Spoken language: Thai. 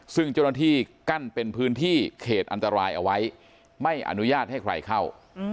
ซึ่งเจ้าหน้าที่กั้นเป็นพื้นที่เขตอันตรายเอาไว้ไม่อนุญาตให้ใครเข้า